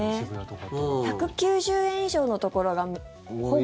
１９０円以上のところがほぼ。